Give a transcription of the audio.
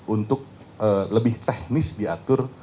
untuk lebih teknis diatur